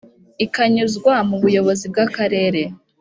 ikanyuzwa mu buyobozi bw akarere